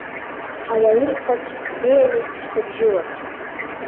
Ауалыр ҭацә беиами шьҭыбжьыла!